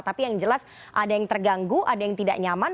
tapi yang jelas ada yang terganggu ada yang tidak nyaman